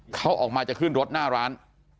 เขาออกมาจะขึ้นรถหน้าร้าน